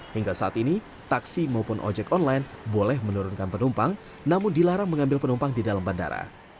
hingga saat ini taksi maupun ojek online boleh menurunkan penumpang namun dilarang mengambil penumpang di dalam bandara